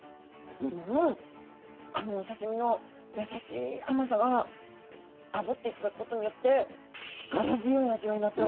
あのお刺身の優しい甘さがあぶっていただくことによって力強い味わいになってます。